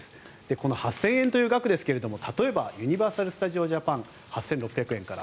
この８０００円という額ですが例えば、ユニバーサル・スタジオ・ジャパン８６００円から。